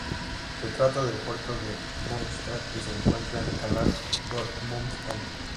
Se trata del puerto de Münster y se encuentra en el canal Dortmund-Ems.